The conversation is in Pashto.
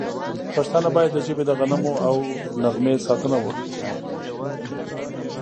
پښتانه باید د ژبې د غنمو او نغمې ساتنه وکړي.